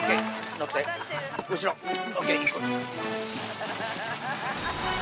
乗って後ろＯＫ！